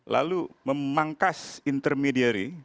lalu memangkas intermediari